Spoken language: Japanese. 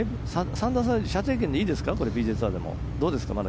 ３打差、射程圏でいいですかＰＧＡツアーでも。